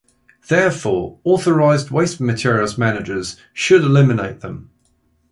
Therefore, authorized waste materials managers should eliminate them.